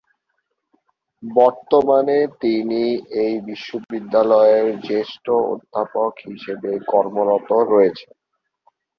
বর্তমানে তিনি এই বিশ্ববিদ্যালয়ের জ্যেষ্ঠ অধ্যাপক হিসেবে কর্মরত রয়েছেন।